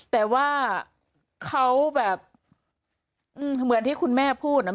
แต่ว่าเขาแบบเหมือนที่คุณแม่พูดนะ